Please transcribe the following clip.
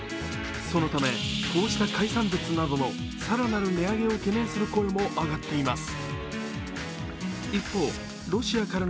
そのため、こうした海産物などのさらなる値上げを懸念する声が上がっています。